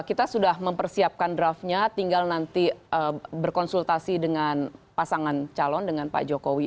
kita sudah mempersiapkan draftnya tinggal nanti berkonsultasi dengan pasangan calon dengan pak jokowi